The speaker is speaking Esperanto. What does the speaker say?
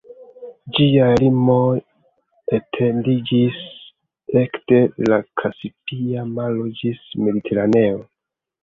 Ĝiaj limoj etendiĝis ekde la Kaspia Maro ĝis Mediteraneo.